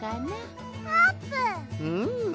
うん。